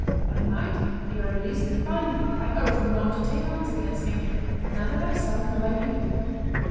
I might, ere I release thee, bind thee by oath not to take arms against me, neither thyself nor thy people.